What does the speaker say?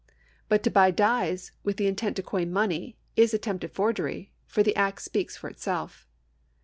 But to buy dies with intent to coin money is attempted forgery, for the act speaks for itself.